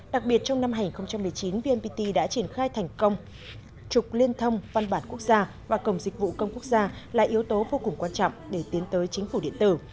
đặc biệt trong năm hai nghìn một mươi chín vnpt đã triển khai thành công trục liên thông văn bản quốc gia và cổng dịch vụ công quốc gia là yếu tố vô cùng quan trọng để tiến tới chính phủ điện tử